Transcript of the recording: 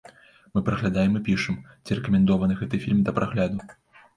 Мы праглядаем і пішам, ці рэкамендованы гэты фільм да прагляду.